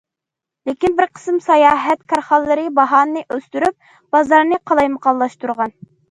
لېكىن، بىر قىسىم ساياھەت كارخانىلىرى باھانى ئۆستۈرۈپ، بازارنى قالايمىقانلاشتۇرغان.